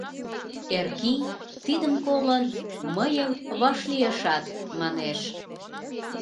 Эркий, тидым колын, мыйым вашлиешат, манеш: